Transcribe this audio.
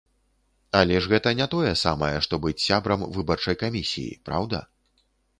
Але ж гэта не тое самае, што быць сябрам выбарчай камісіі, праўда?